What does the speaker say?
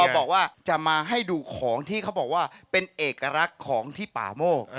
บอกว่าจะมาให้ดูของที่เขาบอกว่าเป็นเอกลักษณ์ของที่ป่าโมก